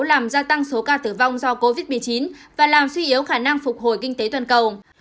làm gia tăng số ca tử vong do covid một mươi chín và làm suy yếu khả năng phục hồi kinh tế toàn cầu